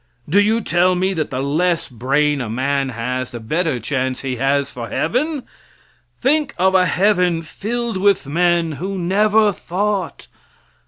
Do you tell me that the less brain a man has the better chance he has for heaven? Think of a heaven filled with men who never thought.